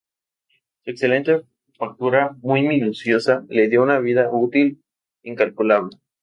Su excelente factura, muy minuciosa, le dio una vida útil incalculable.